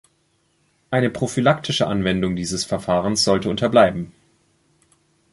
Eine prophylaktische Anwendung dieses Verfahrens sollte unterbleiben.